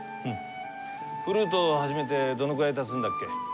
フルートを始めてどのくらいたつんだっけ？